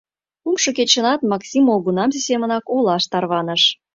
Кумшо кечынат Максим молгунамсе семынак олаш тарваныш.